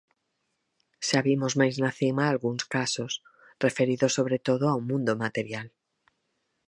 Xa vimos máis na cima algúns casos, referidos sobre todo ao mundo material.